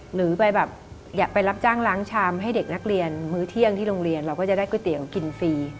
หรือไปแบบไปรับจ้างล้างชามให้เด็กนักเรียนมื้อเที่ยงที่โรงเรียนเราก็จะได้ก๋วยเตี๋ยวกินฟรี